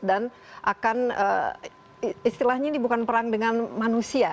dan akan istilahnya ini bukan perang dengan manusia